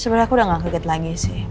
sebenernya aku udah nggak keget lagi sih